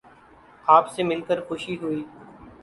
آپ سے مل کر خوشی ہوئی